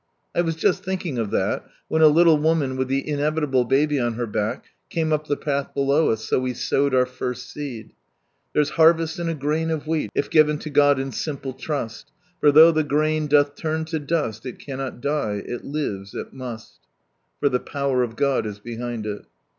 I was just thinking of that, when a little woman with the inevitable baby on her back came up the path below us, so we sowed our first seed, "There's harvest in a grain of wheat. If given to God in simple trast. For though tlic grain dolh lum to dost It cannot die. It lives, it niiut," — for the Power of God is behind it.